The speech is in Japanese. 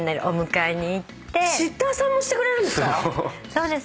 そうです。